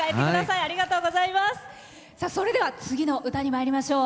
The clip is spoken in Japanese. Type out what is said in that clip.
それでは次の歌にまいりましょう。